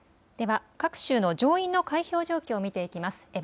では各州の上院の開票状況を見ていきます。